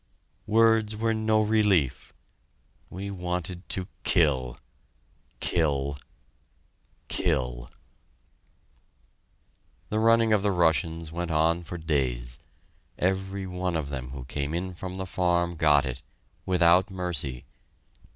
Words were no relief! we wanted to kill kill kill. The running of the Russians went on for days. Every one of them who came in from the farm got it without mercy....